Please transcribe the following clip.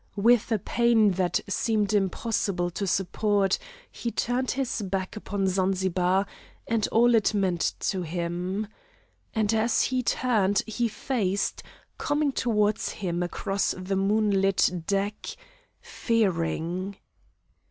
With a pain that seemed impossible to support, he turned his back upon Zanzibar and all it meant to him. And, as he turned, he faced, coming toward him, across the moonlit deck, Fearing.